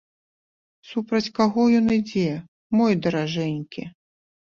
Супроць каго ён ідзе, мой даражэнькі?